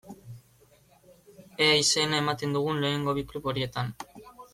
Ea izena ematen dugun lehenengo bi klub horietan.